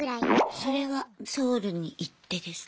それはソウルに行ってですか？